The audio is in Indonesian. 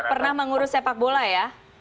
karena mengurus sepak bola ya